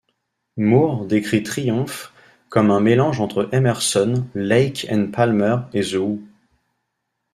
Moore décrit Triumph comme un mélange entre Emerson, Lake and Palmer et The Who.